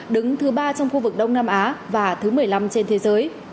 đứng thứ ba trong khu vực đông nam á và thứ một mươi năm trên thế giới